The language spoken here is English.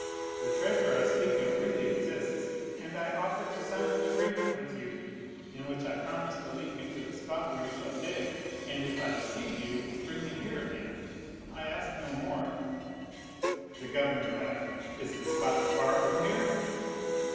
"The treasure I speak of really exists, and I offer to sign an agreement with you, in which I promise to lead you to the spot where you shall dig; and if I deceive you, bring me here again,—I ask no more." The governor laughed. "Is the spot far from here?"